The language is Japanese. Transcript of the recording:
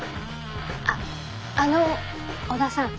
あっあの織田さん。